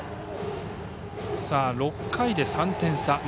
６回で３点差。